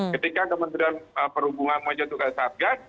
ketika kementerian perhubungan menjatuhkan satgas